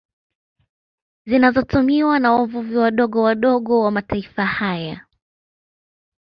Zinazotumiwa na wavuvi wadogo wadogo wa mataifa haya